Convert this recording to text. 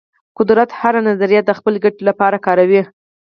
قدرت هره نظریه د خپل ګټې لپاره کاروي.